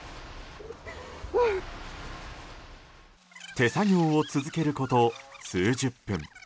手作業を続けること数十分。